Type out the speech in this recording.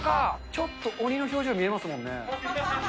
ちょっと鬼の表情、見えますもん